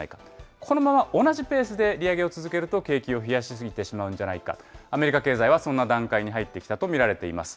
このまま同じペースで利上げを続けると、景気を冷やし過ぎてしまうんじゃないか、アメリカ経済はそんな段階に入ってきたと見られています。